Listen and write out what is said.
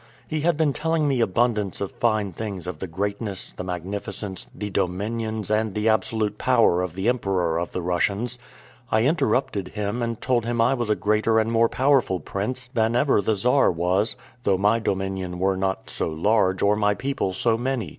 He had been telling me abundance of fine things of the greatness, the magnificence, the dominions, and the absolute power of the Emperor of the Russians: I interrupted him, and told him I was a greater and more powerful prince than ever the Czar was, though my dominion were not so large, or my people so many.